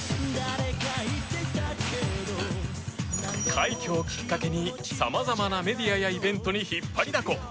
快挙をきっかけにさまざまなメディアやイベントに引っ張りだこ。